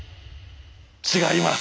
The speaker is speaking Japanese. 違います！